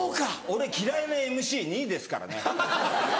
俺嫌いなＭＣ２位ですからね。